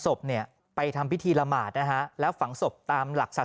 ศพเนี่ยไปทำพิธีละหมาดนะฮะแล้วฝังศพตามหลักศาส